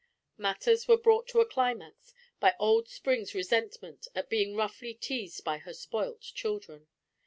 Matters were brought to a climax by old Spring's resentment at being roughly teased by her spoilt children.